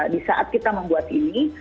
di saat kita membuat ini